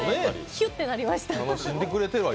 キュッてなりました。